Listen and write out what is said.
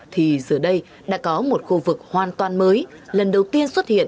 thì giờ đây đã có một khu vực hoàn toàn mới lần đầu tiên xuất hiện